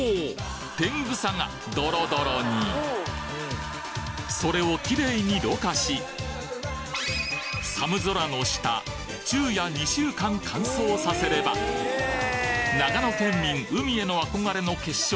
天草がドロドロにそれをきれいに濾過し寒空の下昼夜２週間乾燥させれば長野県民海への憧れの結晶！